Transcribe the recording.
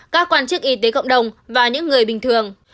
các quan chức y tế cộng đồng và những người bình thường